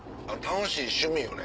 楽しい趣味よね。